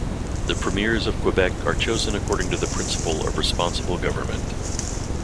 The Premiers of Quebec are chosen according to the principle of responsible government.